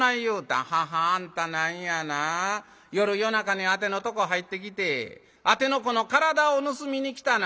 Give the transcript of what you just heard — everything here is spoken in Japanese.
『ははああんたなんやな夜夜中にあてのとこ入ってきてあてのこの体を盗みに来たな？』。